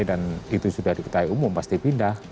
dan itu sudah diketahui umum pasti pindah